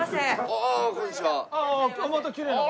ああまたきれいな。